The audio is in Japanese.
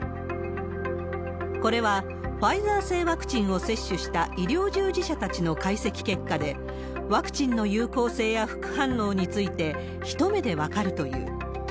これはファイザー製ワクチンを接種した医療従事者たちの解析結果で、ワクチンの有効性や副反応について、一目で分かるという。